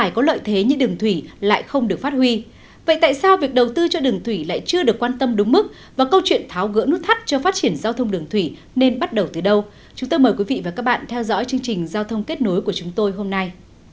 chúng ta mời quý vị và các bạn theo dõi chương trình giao thông kết nối của chúng tôi hôm nay